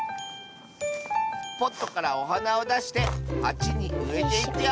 ポットからおはなをだしてはちにうえていくよ